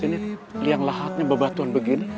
ini liang lahatnya bebatuan begini